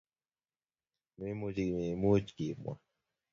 Memuchi memuch kimwa.